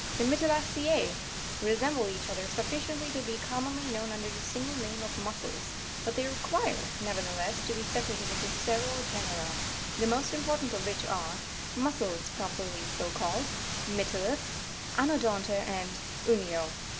The Mytilacez resemble each other sufficiently to be commonly known under the single name of Mussels, but they require, never theless, to be separated into several genera, the most important of which are, Mussels properly so called,—Mytilus,— Anodonta, and Unio.